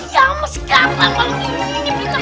gara gara apaan sih